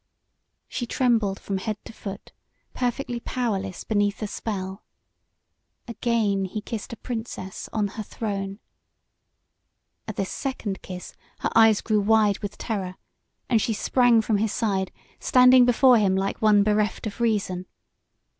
She trembled from head to foot, perfectly powerless beneath the spell. Again he kissed a princess on her throne. At this second kiss her eyes grew wide with terror, and she sprang from his side, standing before him like one bereft of reason.